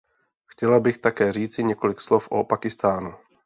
Chtěla bych také říci několik slov o Pákistánu.